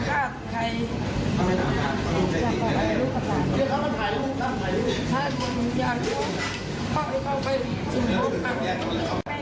ผู้จะภูเป็นต่อไป